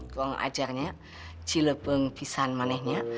kau ngajarnya cilepeng pisang manehnya